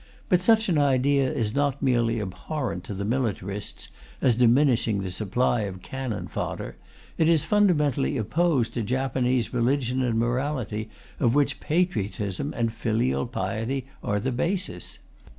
But such an idea is not merely abhorrent to the militarists as diminishing the supply of cannon fodder; it is fundamentally opposed to Japanese religion and morality, of which patriotism and filial piety are the basis.